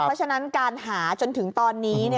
เพราะฉะนั้นการหาจนถึงตอนนี้